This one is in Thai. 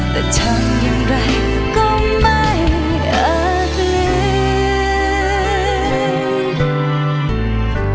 แต่ทำอย่างไรก็ไม่อาจเลย